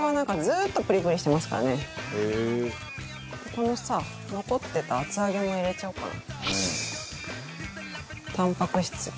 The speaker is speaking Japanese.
このさ残ってた厚揚げも入れちゃおうかな。